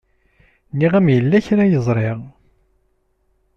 Nniɣ-am yella kra ay ẓriɣ.